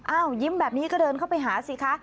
ยิ้มแบบนี้ก็เดินเข้าไปหาสิคะ